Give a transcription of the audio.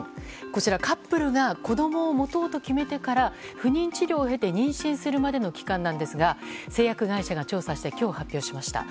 こちら、カップルが子供を持とうと決めてから不妊治療を経て妊娠するまでの期間なんですが製薬会社が調査し今日、発表しました。